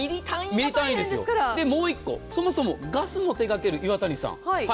もう１個ガスも手がける岩谷さん。